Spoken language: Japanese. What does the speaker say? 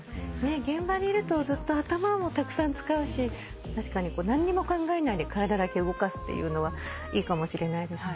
現場にいるとずっと頭もたくさん使うしたしかに何にも考えないで体だけ動かすっていうのはいいかもしれないですね。